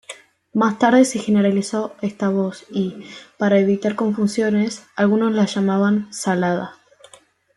Más tarde se generalizó esta voz y, para evitar confusiones, algunos la llamaban "salada".